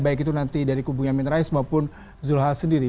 baik itu nanti dari kubunya minraes maupun zulhas sendiri